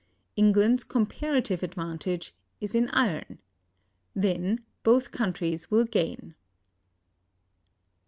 England's comparative advantage is in iron. Then both countries will gain.